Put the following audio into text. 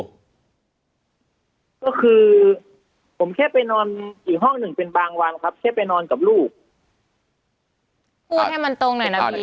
ห้องนึงเป็นบางวันครับติดไปนอนกับลูก